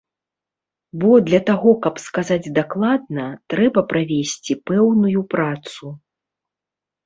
Бо для таго каб сказаць дакладна, трэба правесці пэўную працу.